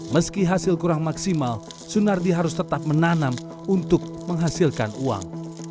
meski hasil kurang maksimal sunardi harus tetap menanam untuk menghasilkan uang